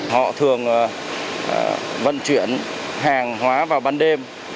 họ thường vận chuyển hàng hóa vào ban đêm